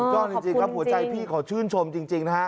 จริงครับหัวใจพี่ขอชื่นชมจริงนะฮะ